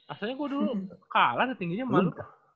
asalnya gua dulu kalah nih tingginya malu